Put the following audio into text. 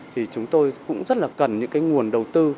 thì chúng tôi cũng rất là cần những cái nguồn đầu tư